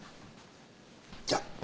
じゃあ。